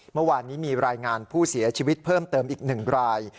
เมื่อวานนี้มีรายงานผู้เสียชีวิตเพิ่มเติมอีก๑ราย